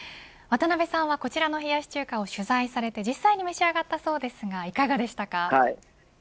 渡辺さんはこちらの冷やし中華を取材されて実際に召し上がったそうですがいかがです